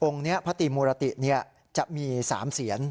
องค์นี้พระตีมูรติจะมี๓เสียน